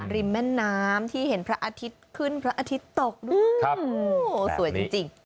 ริมแม่น้ำที่เห็นพระอาทิตย์ขึ้นพระอาทิตย์ตกด้วยสวยจริง